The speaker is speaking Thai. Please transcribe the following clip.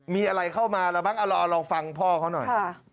มีอะไรเข้ามาแล้วมั้งเอาเราลองฟังพ่อเขาหน่อย